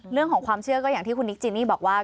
เรื่องของความเชื่อก็อย่างที่คุณนิกจินี่บอกว่า